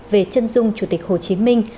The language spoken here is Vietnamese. về trân dung chủ tịch hồ chí minh